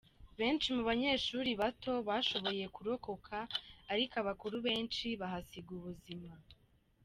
Benshi mu banyeshuri bato bashoboye kurokoka ariko abakuru benshi bahasiga ubuzima.